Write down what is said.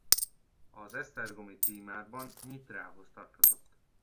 Az esztergomi tímárban Nyitrához tartozott.